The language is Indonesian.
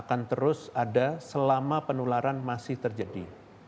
akan terus ada selama penularan masih terjadi